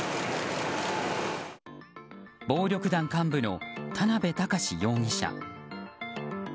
暴力団幹部の田辺高士容疑者。